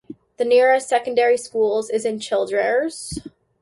The nearest secondary schools is in Childers (Isis District State High School).